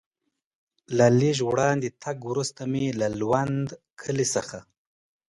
له لږ وړاندې تګ وروسته مې له لوند کلي څخه.